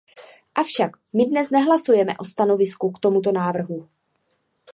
Avšak my dnes nehlasujeme o stanovisku k tomuto návrhu.